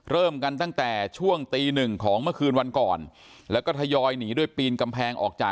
เริ่มกันตั้งแต่ช่วงตีหนึ่งของเมื่อคืนวันก่อนแล้วก็ทยอยหนีด้วยปีนกำแพงออกจาก